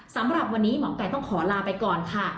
สำหรับวันนี้หมอไก่ต้องขอลาไปก่อนค่ะ